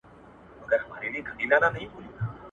چي بد ګرځي بد به پرځي `